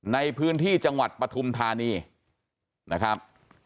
ในพื้นที่จังหวัดปฐุมธานีนะครับ